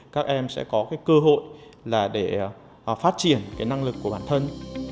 các em sẽ có cơ hội để phát triển năng lực của bản thân